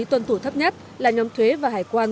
tuân thủ thấp nhất là nhóm thuế và hải quan